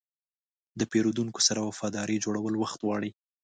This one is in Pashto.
د پیرودونکو سره وفاداري جوړول وخت غواړي.